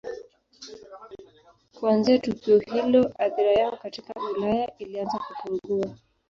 Kuanzia tukio hilo athira yao katika Ulaya ilianza kupungua.